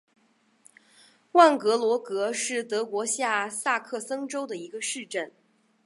万格罗格是德国下萨克森州的一个市镇。